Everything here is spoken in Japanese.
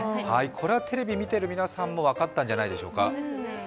これはテレビ見ている皆さんも分かったんじゃないでしょうか。